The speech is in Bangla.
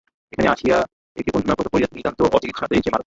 এখানে আসিয়া একটি কন্যা প্রসব করিয়া নিতান্ত অচিকিৎসাতেই সে মারা যায়।